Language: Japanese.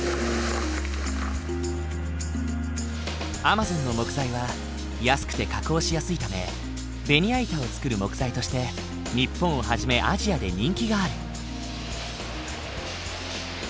アマゾンの木材は安くて加工しやすいためベニヤ板を作る木材として日本をはじめアジアで人気がある。